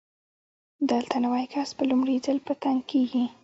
دلته نوی کس په لومړي ځل په تنګ کېږي.